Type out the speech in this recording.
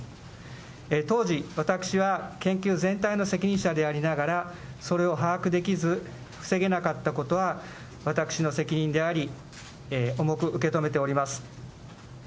当時、私は研究全体の責任者でありながら、それを把握できず、防げなかったことは私の責任であり、重く受け止めております。